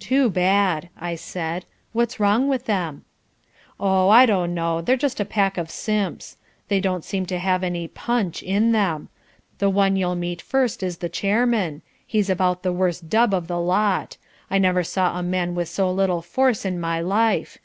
"Too bad," I said, "what's wrong with them?" "Oh, I don't know they're just a pack of simps. They don't seem to have any PUNCH in them. The one you'll meet first is the chairman he's about the worst dub of the lot; I never saw a man with so little force in my life.